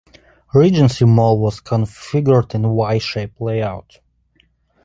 Regency Mall was configured in a Y-shaped layout.